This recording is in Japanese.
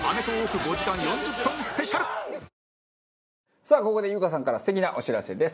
さあここで優香さんから素敵なお知らせです。